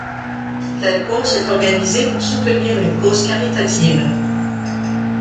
La course est organisée pour soutenir une cause caritative.